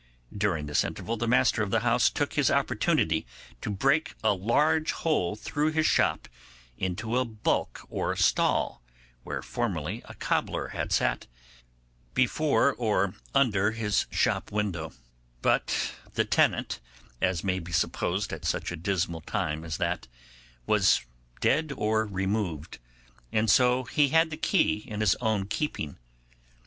During this interval the master of the house took his opportunity to break a large hole through his shop into a bulk or stall, where formerly a cobbler had sat, before or under his shop window; but the tenant, as may be supposed at such a dismal time as that, was dead or removed, and so he had the key in his own keeping.